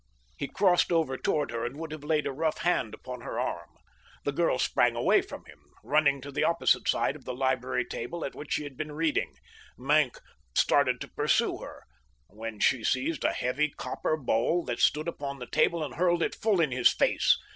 He crossed over toward her and would have laid a rough hand upon her arm. The girl sprang away from him, running to the opposite side of the library table at which she had been reading. Maenck started to pursue her, when she seized a heavy, copper bowl that stood upon the table and hurled it full in his face.